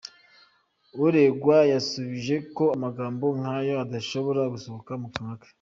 Uregwa yasubije ko amagambo nk’ayo adashobora gusohoka mu kanwa ke.